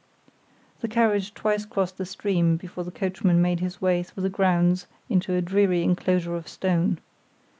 The carriage twice crossed the stream before the coachman made his way through the grounds into a dreary inclosure of stone.